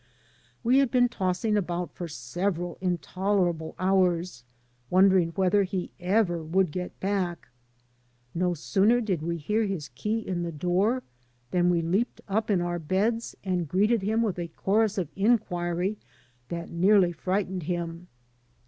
We had been tossing about for several intolerable hours, wondering whether he ever would get back. No sooner did we hear his key in the door than we leaped up m our beds and greeted him with a chorus of inquiry that nearly frightened him.